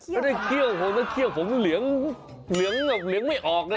ไม่ได้เขี้ยวของถ้าเขี้ยวของเหลืองไม่ออกเลย